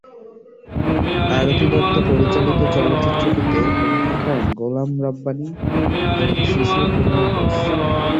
আরতি দত্ত পরিচালিত চলচ্চিত্রটিতে অভিনয় করেন গোলাম রব্বানি এবং শিশির কুমার বোস।